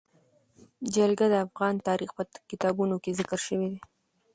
جلګه د افغان تاریخ په کتابونو کې ذکر شوی دي.